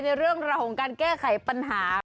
ในเรื่องราวของการแก้ไขปัญหา